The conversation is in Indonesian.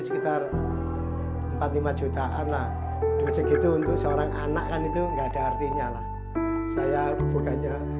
sekitar empat puluh lima jutaan lah diocek itu untuk seorang anak kan itu enggak ada artinya lah saya bukannya